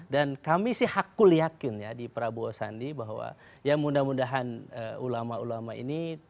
dan kami sih hakul yakin ya di prabowo sandi bahwa ya mudah mudahan ulama ulama ini